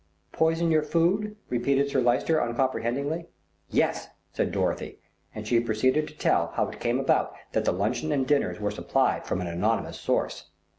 "Poison your food," repeated Sir Lyster uncomprehendingly. "Yes," said Dorothy, and she proceeded to tell how it came about that the luncheon and dinners were supplied from an anonymous source.